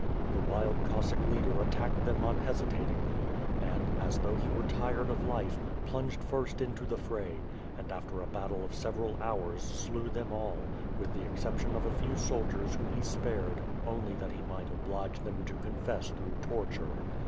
The wild Cossack leader attacked them un hesitatingly, and, as though he were tired of life, plunged first into the fray, and after a battle of several hours slew them all, with the exception of a few soldiers whom he spared only that he might oblige them to confess through torture.